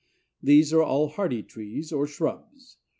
These are all hardy trees or shrubs.